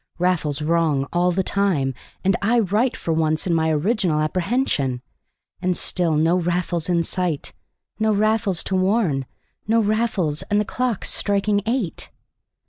Raffles wrong all the time, and I right for once in my original apprehension! And still no Raffles in sight no Raffles to warn no Raffles, and the clocks striking eight!